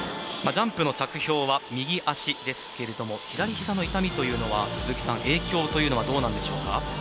ジャンプの着氷は右足ですけれども左ひざの痛みというのは影響というのはどうなんでしょうか？